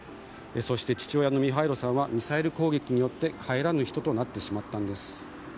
そして、父親のミハイロさんはミサイル攻撃によって帰らぬ人となってしまったんです。